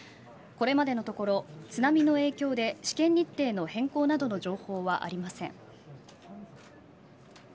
これまでのところ、津波の影響で試験日程の変更などの情報はありません。